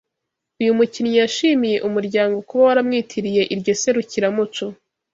uyu mukinnyi yashimiye umuryango kuba waramwitiriye iryo serukiramuco